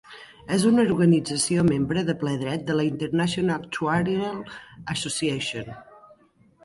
És una organització membre de ple dret de la International Actuarial Association.